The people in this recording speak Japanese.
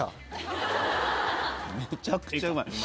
めちゃくちゃうまい。